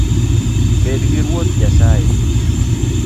Bedgi Ruoth Nyasaye